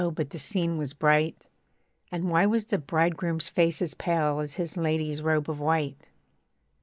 but the scene was bright, And why was the bridegroom's face as pale As his lady's robe of white?